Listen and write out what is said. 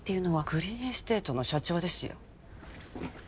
グリーンエステートの社長ですよ